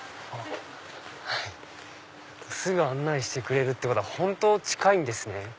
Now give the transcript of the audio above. すぐ案内してくれるってことは本当近いんですね。